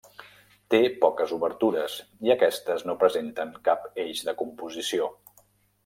Té poques obertures i aquestes no presenten cap eix de composició.